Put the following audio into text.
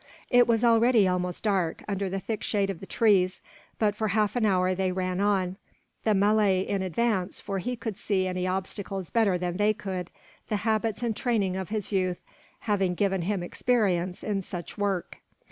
It was already almost dark, under the thick shade of the trees; but for half an hour they ran on, the Malay in advance, for he could see any obstacles better than they could, the habits and training of his youth having given him experience in such work.